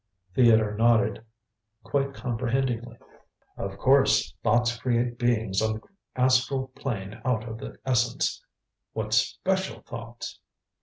Theodore nodded quite comprehendingly. "Of course, thoughts create beings on the astral plane out of the essence. What special thoughts